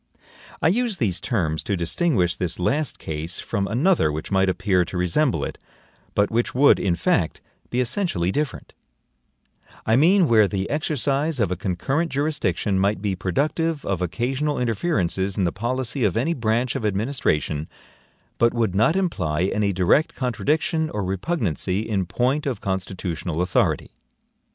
I use these terms to distinguish this last case from another which might appear to resemble it, but which would, in fact, be essentially different; I mean where the exercise of a concurrent jurisdiction might be productive of occasional interferences in the POLICY of any branch of administration, but would not imply any direct contradiction or repugnancy in point of constitutional authority.